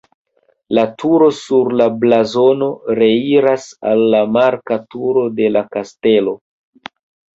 La turo sur la blazono reiras al la marka turo de la kastelo.